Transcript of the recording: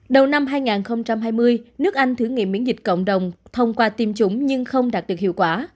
đầu năm hai nghìn hai mươi nước anh thử nghiệm miễn dịch cộng đồng thông qua tiêm chủng nhưng không đạt được hiệu quả